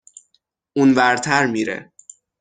اون ورتر میره